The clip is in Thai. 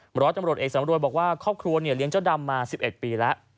ร้อยตำรวจเอกสำรวยบอกว่าครอบครัวเลี้ยงเจ้าดำมา๑๑ปีแล้ว